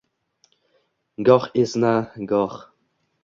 goh esna, goh...